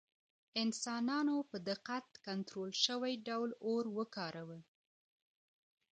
انسانانو په دقت کنټرول شوي ډول اور وکاراوه.